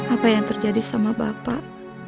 apa yang terjadi sama bapak